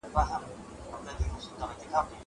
څنګه په باران کي راته وخاندي